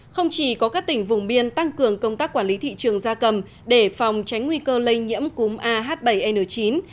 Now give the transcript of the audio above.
không chỉ có các tỉnh vùng biên tăng cường công tác quản lý thị trường da cầm để phòng tránh nguy cơ lây nhiễm cúm ah bảy n chín